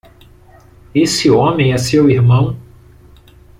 Esse homem é seu irmão?